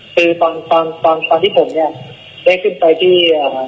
คือตอนที่ผมเนี่ยได้ขึ้นไปที่